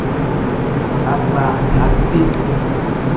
Akpa akpiizi.